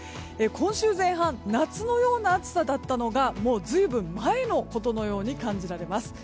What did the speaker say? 今週前半夏のような暑さだったのがもう随分前のことのように感じます。